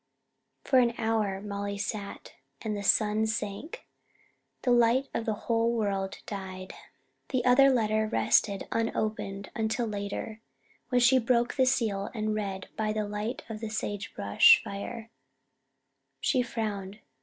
For an hour Molly sat, and the sun sank. The light of the whole world died. The other letter rested unopened until later, when she broke the seal and read by the light of a sagebrush fire, she frowned.